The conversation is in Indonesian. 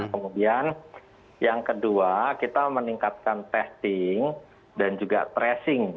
kemudian yang kedua kita meningkatkan testing dan juga tracing